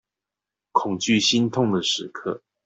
恐懼心痛的時刻